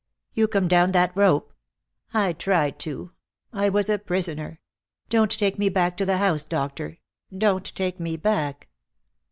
"You come down that rope?" "I tried to. I was a prisoner. Don't take me back to the house, doctor. Don't take me back!"